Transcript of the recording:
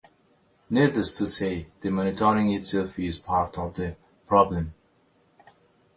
Needless to say, the monitoring itself is part of the problem.